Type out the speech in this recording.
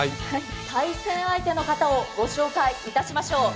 対戦相手をご紹介いたしましょう。